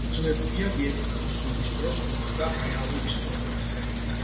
დაფუძნებულია ვიეტნამის ომის დროს მომხდარ რეალურ ისტორიაზე.